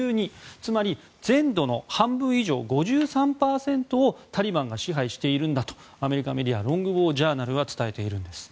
つまり全土の半分以上５３％をタリバンが支配しているんだとアメリカメディアロング・ウォー・ジャーナルは伝えているんです。